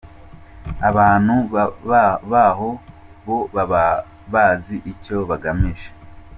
Abantu baho bo baba bazi icyo bagamije”.